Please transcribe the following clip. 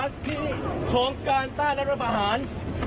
เดินทางกลับบ้าน